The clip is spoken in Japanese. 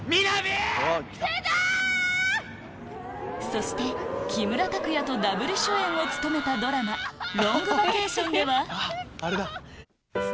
そして木村拓哉とダブル主演を務めたドラマ『ロングバケーション』では